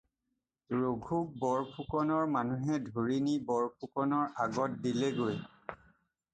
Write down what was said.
ৰঘুক বৰফুকনৰ মানুহে ধৰি নি বৰফুকনৰ আগত দিলেগৈ।